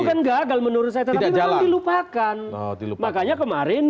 bukan gagal menurut saya tetapi memang dilupakan